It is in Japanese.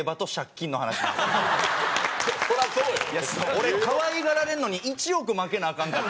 俺可愛がられるのに１億負けなアカン。